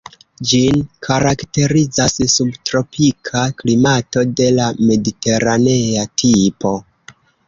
Ĝin karakterizas subtropika klimato de la mediteranea tipo.